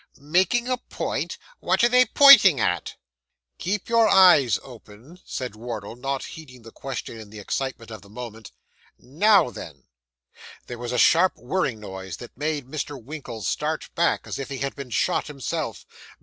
'Making a point! What are they pointing at?' 'Keep your eyes open,' said Wardle, not heeding the question in the excitement of the moment. 'Now then.' There was a sharp whirring noise, that made Mr. Winkle start back as if he had been shot himself.